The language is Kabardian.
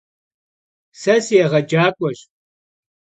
Se sıêğecak'ueş.